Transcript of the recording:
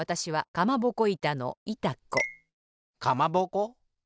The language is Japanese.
かまぼこ？